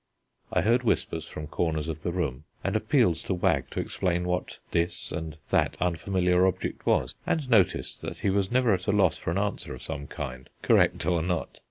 I heard whispers from corners of the room, and appeals to Wag to explain what this and that unfamiliar object was, and noticed that he was never at a loss for an answer of some kind, correct or not.